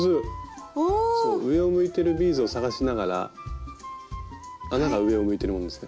そう上を向いてるビーズを探しながら穴が上を向いてるものを見つけて。